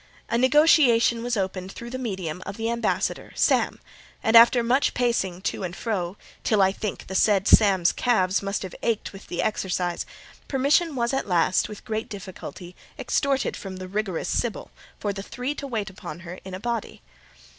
A negotiation was opened through the medium of the ambassador, Sam; and after much pacing to and fro, till, I think, the said Sam's calves must have ached with the exercise, permission was at last, with great difficulty, extorted from the rigorous Sibyl, for the three to wait upon her in a body.